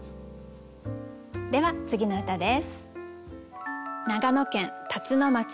では次の歌です。